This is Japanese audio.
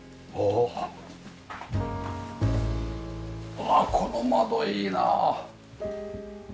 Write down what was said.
うわこの窓いいなあ。